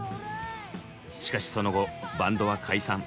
しかしその後バンドは解散。